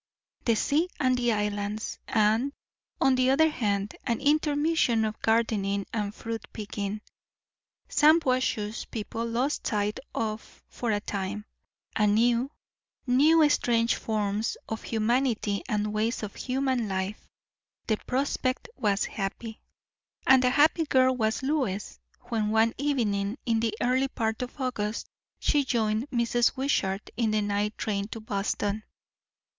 The sea and the islands, and, on the other hand, an intermission of gardening and fruit picking; Shampuashuh people lost sight of for a time, and new, new, strange forms of humanity and ways of human life; the prospect was happy. And a happy girl was Lois, when one evening in the early part of August she joined Mrs. Wishart in the night train to Boston.